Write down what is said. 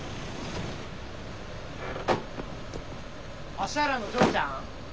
芦原の嬢ちゃん？